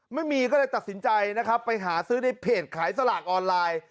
ไม่มีก็เลยตัดสินใจนะครับไปหาซื้อในเพจขายสลากออนไลน์